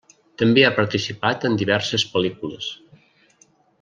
També ha participat en diverses pel·lícules.